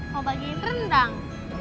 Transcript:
mau bagiin rendang